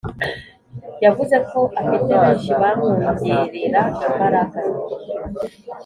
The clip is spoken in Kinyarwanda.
yavuze ko afite benshi bamwongerera imbaraga